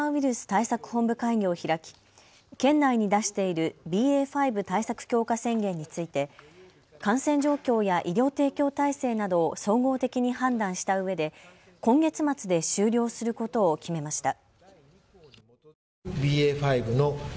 対策本部会議を開き県内に出しているＢＡ．５対策強化宣言について感染状況や医療提供体制などを総合的に判断したうえで今月末で終了することを決めました。